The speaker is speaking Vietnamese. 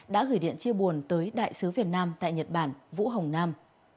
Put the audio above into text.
đã gửi điện chia buồn tới đại sứ việt nam tại nhật bản vũ hồng nam